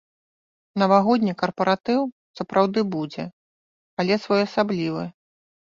Навагодні карпаратыў сапраўды будзе, але своеасаблівы.